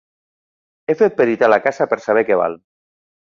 He fet peritar la casa per saber què val.